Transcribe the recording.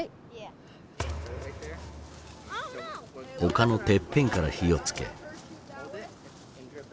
丘のてっぺんから火を付け。